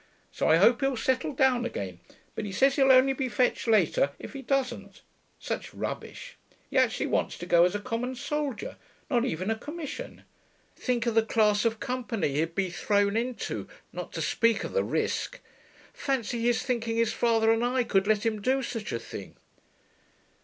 So I hope he'll settle down again. But he says he'll only be fetched later if he doesn't; such rubbish. He actually wants to go as a common soldier, not even a commission. Think of the class of company he'd be thrown into, not to speak of the risk. Fancy his thinking his father and I could let him do such a thing.'